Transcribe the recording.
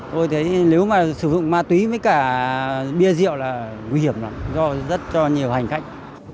tôi thấy nếu mà sử dụng ma túy với cả bia rượu là nguy hiểm lắm rất cho nhiều hành khách